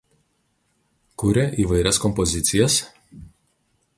Kuria įvairias kompozicijas.